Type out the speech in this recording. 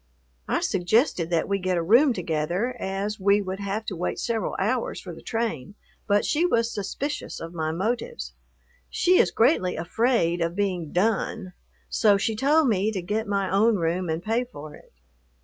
I suggested that we get a room together, as we would have to wait several hours for the train, but she was suspicious of my motives. She is greatly afraid of being "done," so she told me to get my own room and pay for it.